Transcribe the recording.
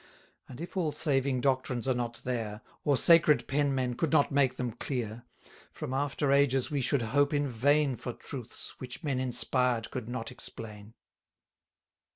300 And if all saving doctrines are not there, Or sacred penmen could not make them clear, From after ages we should hope in vain For truths, which men inspired could not explain.